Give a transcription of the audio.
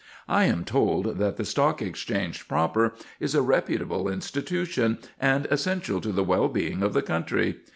I am told that the Stock Exchange proper is a reputable institution and essential to the well being of the country.